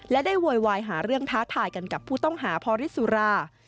และได้โวยวายหาเรื่องท้าทายกันกับผู้ต้องหาพอฤทธิสุรา